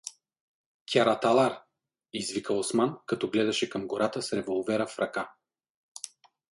— Кяраталар! — извика Осман, като гледаше към гората с револвера в ръка.